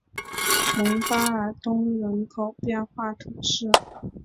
蒙巴尔东人口变化图示